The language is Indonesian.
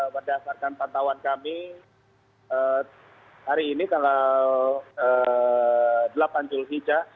berdasarkan pantauan kami hari ini tanggal delapan julhica